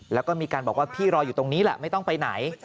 แล้วก็มีการบอกว่าพี่รออยู่ตรงนี้แหละไม่ต้องไปไหน